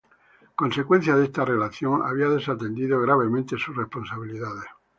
Consecuencia de esta relación, había desatendido gravemente sus responsabilidades.